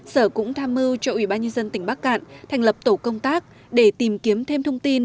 sở cũng tham mưu cho ủy ban nhân dân tỉnh bắc cạn thành lập tổ công tác để tìm kiếm thêm thông tin